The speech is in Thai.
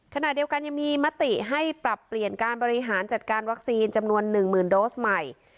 ขณะเดียวกันยังมีมติให้ปรับเปลี่ยนการบริหารจัดการวัคซีนจำนวน๑๐๐๐โดสใหม่